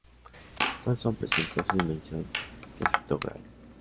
Tolson presentó su dimisión, que aceptó Gray.